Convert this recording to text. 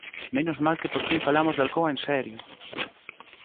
¡Menos mal que por fin falamos de Alcoa en serio!